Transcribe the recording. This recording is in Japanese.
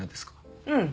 うん。